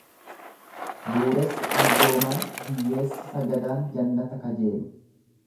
Dureessi arjoomaan hiyyeessi sagadaan jannata kajeelu.